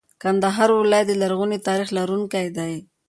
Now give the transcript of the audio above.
کندهار ولایت د لرغوني تاریخ لرونکی دی.